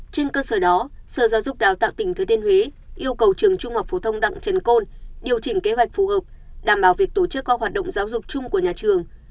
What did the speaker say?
trên cơ sở đó sở giáo dục đào tạo tỉnh thừa thiên huế yêu cầu trường trung học phổ thông đặng trần côn điều chỉnh kế hoạch phù hợp đảm bảo việc tổ chức các hoạt động giáo dục chung của nhà trường